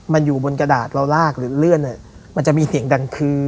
มันอยู่บนกระดาษเราลากหรือเลื่อนมันจะมีเสียงดังคือ